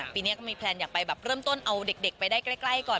ปีนี้ก็มีแพลนอยากไปแบบเริ่มต้นเอาเด็กไปได้ใกล้ก่อน